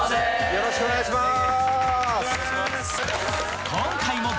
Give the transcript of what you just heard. よろしくお願いします！